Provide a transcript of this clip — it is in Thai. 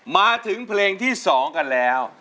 มาถึงเพลงที่๒กันแล้ว